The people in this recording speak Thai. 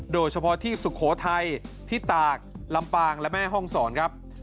โดยเฉพาะที่สุโขทัยที่ตากลำปางและแม่ห้องศรครับ